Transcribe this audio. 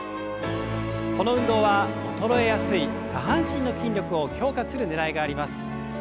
この運動は衰えやすい下半身の筋力を強化するねらいがあります。